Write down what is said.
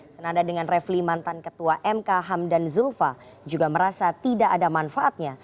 senada dengan refli mantan ketua mk hamdan zulfa juga merasa tidak ada manfaatnya